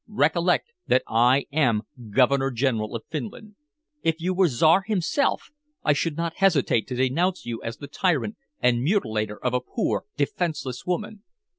Recollect that I am Governor General of Finland." "If you were Czar himself, I should not hesitate to denounce you as the tyrant and mutilator of a poor defenseless woman."